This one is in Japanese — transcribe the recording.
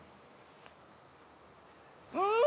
うん！